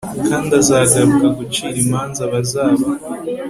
kand'azagaruka gucir'imanza abazaba